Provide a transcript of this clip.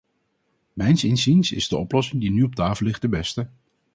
Mijns inziens is de oplossing die nu op tafel ligt de beste.